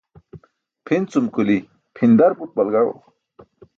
Pʰin cum kuli pʰindar but balagaẏo.